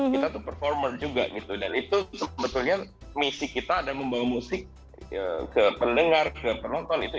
kita tuh performer juga gitu dan itu sebetulnya misi kita adalah membawa musik ke pendengar ke penonton itu